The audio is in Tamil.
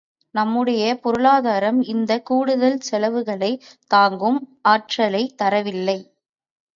நம்முடைய பொருளாதாரம் இந்தக் கூடுதல் செலவுகளைத் தாங்கும் ஆற்றலைத் தரவில்லை.